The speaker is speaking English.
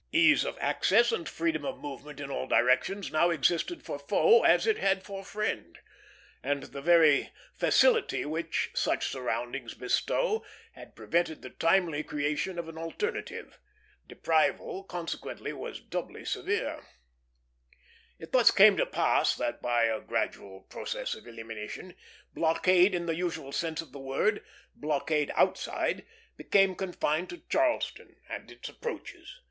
Ease of access, and freedom of movement in all directions, now existed for foe as it had for friend, and the very facility which such surroundings bestow had prevented the timely creation of an alternative. Deprival consequently was doubly severe. It thus came to pass that, by a gradual process of elimination, blockade in the usual sense of the word, blockade outside, became confined to Charleston and its approaches.